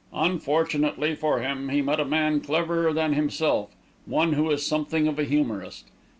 Unfortunately for him, he met a man cleverer than himself, one who is something of a humorist."